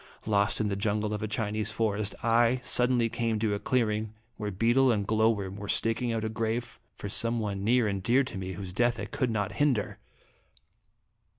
Lost in the jungle of a Chinese forest, I suddenly came to a clearing where beetle and glow worm were staking out a grave for some one near and dear to me, whose death I could not hinder.